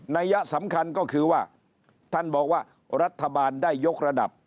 ัยยะสำคัญก็คือว่าท่านบอกว่ารัฐบาลได้ยกระดับ